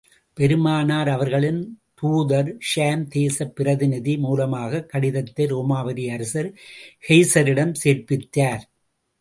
பெருமானார் அவர்களின் தூதர் ஷாம் தேசப் பிரதிநிதி மூலமாகக் கடிதத்தை ரோமாபுரி அரசர் கெய்ஸரிடம் சேர்ப்பித்தார்.